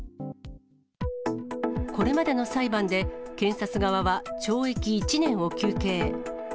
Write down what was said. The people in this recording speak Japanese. これまでの裁判で検察側は懲役１年を求刑。